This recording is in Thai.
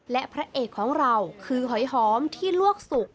และพระเอกของเราคือหอยหอมที่ลวกสุก